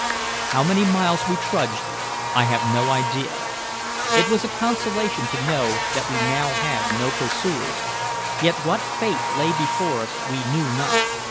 How many miles we trudged I have no idea. It was a consolation to know that we now had no pursuers, yet what fate lay before us we knew not.